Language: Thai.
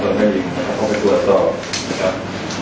ตอนนั้นยึดเข้าไปตรวจสอบ